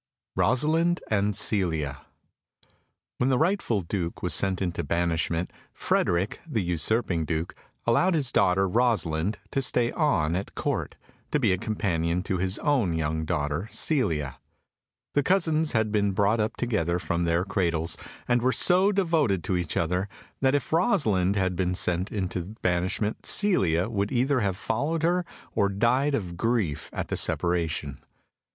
Rosalind and Celia When the rightful Duke was sent into banishment, Frederick, the usurping Duke, allowed his daughter Rosalind to stay on at Court, to be a companion to his own young daughter Celia. The cousins had been brought up together from their cradles, and were so devoted to each other that if Rosalind had been sent into banishment Celia would either have followed her or died of grief at the separation.